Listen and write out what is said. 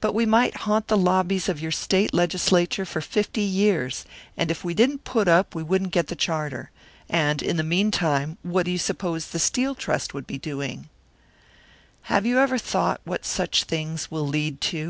But we might haunt the lobbies of your State legislature for fifty years, and if we didn't put up, we wouldn't get the charter. And, in the meantime, what do you suppose the Steel Trust would be doing?" "Have you ever thought what such things will lead to?"